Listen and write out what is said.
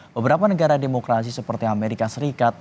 beberapa negara demokrasi seperti amerika serikat